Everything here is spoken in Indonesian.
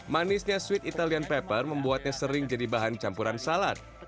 manisnya sweet italian pepper membuatnya sering jadi bahan campuran salad